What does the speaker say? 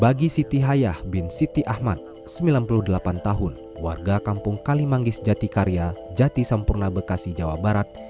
bagi siti hayah bin siti ahmad sembilan puluh delapan tahun warga kampung kalimanggis jatikarya jati sampurna bekasi jawa barat